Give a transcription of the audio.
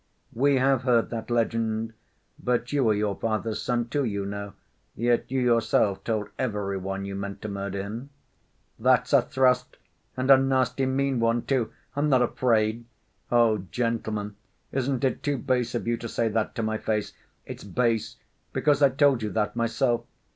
"We have heard that legend. But you are your father's son, too, you know; yet you yourself told every one you meant to murder him." "That's a thrust! And a nasty, mean one, too! I'm not afraid! Oh, gentlemen, isn't it too base of you to say that to my face? It's base, because I told you that myself.